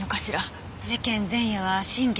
事件前夜は新月。